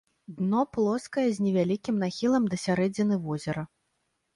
Дно плоскае з невялікім нахілам да сярэдзіны возера.